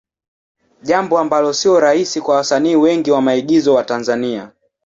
Jambo ambalo sio rahisi kwa wasanii wengi wa maigizo wa Tanzania.